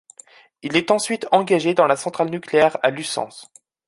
Il est ensuite engagé dans la centrale nucléaire à Lucens.